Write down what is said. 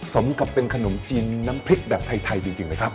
สมกับเป็นขนมจีนน้ำพริกแบบไทยจริงนะครับ